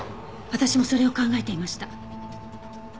私もそれを考えていました。